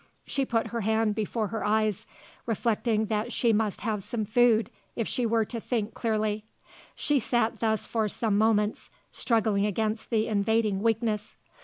She put her hand before her eyes, reflecting that she must have some food if she were to think clearly. She sat thus for some moments, struggling against the invading weakness.